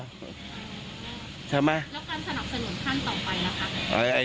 แล้วการสนับสนุนท่านต่อไปนะครับ